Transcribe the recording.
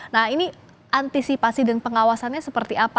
nah ini antisipasi dan pengawasannya seperti apa